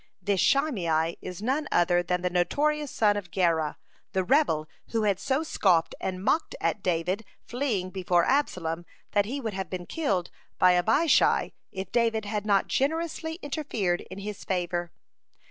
This Shimei is none other then the notorious son of Gera, the rebel who had so scoffed and mocked at David fleeing before Absalom that he would have been killed by Abishai, if David had not generously interfered in his favor.